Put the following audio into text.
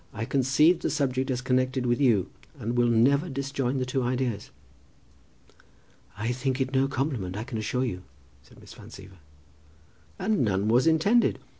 "I conceived the subject as connected with you, and I will never disjoin the two ideas." "I think it no compliment, I can assure you," said Miss Van Siever. "And none was intended.